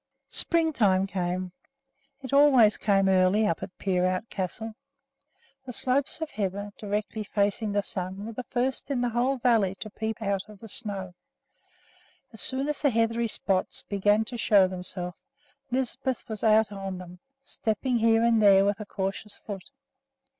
Springtime came. It always came early up at Peerout Castle. The slopes of heather, directly facing the sun, were the first in the whole valley to peep up out of the snow. As soon as the heathery spots began to show themselves, Lisbeth was out on them, stepping here and there with a cautious foot.